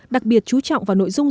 đặc biệt chú trọng vào nội dung